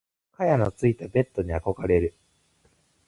蚊帳のついたベット憧れる。